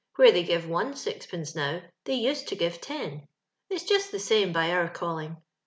Where they give one sixpence now, they used to give ten. It's just the same by our calling.